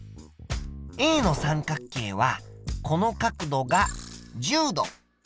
Ａの三角形はこの角度が１０度。